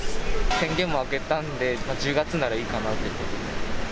宣言も明けたので、１０月ならいいかなということで。